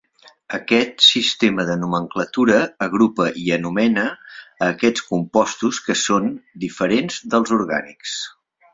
Aquest sistema de nomenclatura agrupa i anomena a aquests compostos, que són diferents dels orgànics.